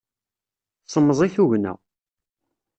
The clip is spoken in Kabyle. Semẓi tugna.